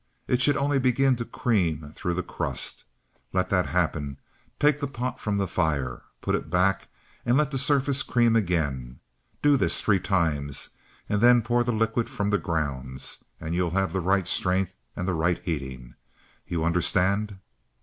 It should only begin to cream through the crust. Let that happen; take the pot from the fire; put it back and let the surface cream again. Do this three times, and then pour the liquid from the grounds and you have the right strength and the right heating. You understand?"